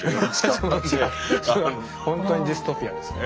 それは本当にディストピアですね。